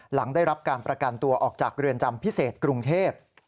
หลังได้รับการประกันตัวออกจากเรือนจำพิเศษกรุงเทพ